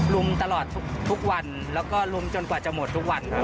ลุมตลอดทุกวันแล้วก็ลุมจนกว่าจะหมดทุกวัน